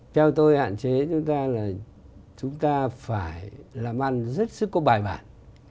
theo tôi hạn chế chúng ta là chúng ta phải làm ăn rất sức có bài bản